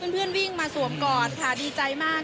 เพื่อนวิ่งมาสวมกอดค่ะดีใจมาก